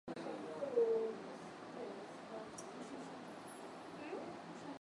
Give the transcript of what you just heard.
Umoja wa Mataifa siku ya Alhamis ulionya dhidi ya “chokochoko” nchini Libya ambazo zinaweza kusababisha mapigano